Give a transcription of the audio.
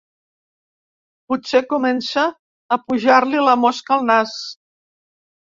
Potser comença a pujar-li la mosca al nas.